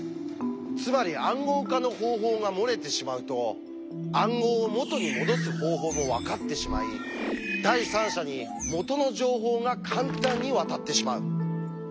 つまり「暗号化の方法」が漏れてしまうと暗号を「元にもどす方法」もわかってしまい第三者に「元の情報」が簡単に渡ってしまう。